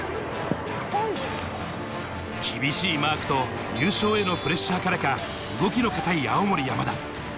厳しいマークと、優勝へのプレッシャーからか動きの硬い青森山田。